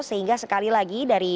sehingga sekali lagi dari